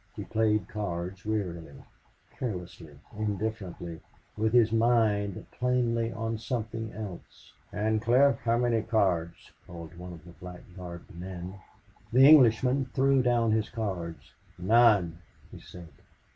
He played cards wearily, carelessly, indifferently, with his mind plainly on something else. "Ancliffe, how many cards?" called one of the black garbed men. The Englishman threw down his cards. "None," he said.